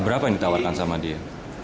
berapa yang ditawarkan sama dia